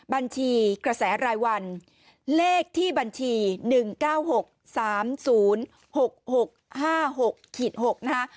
บัญชีกระแสรายวันเลขที่บัญชี๑๙๖๓๐๖๖๕๖๖นะคะ